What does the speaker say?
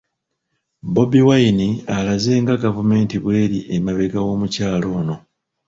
Bobi Wine alaze nga gavumenti bw'eri emabega w'omukyala ono